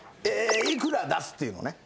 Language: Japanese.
幾ら出すっていうのをね。